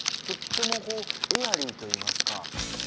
とってもこうエアリーといいますか。